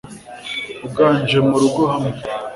uganje mu rugo hamwe